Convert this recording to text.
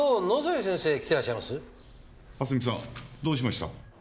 蓮見さんどうしました？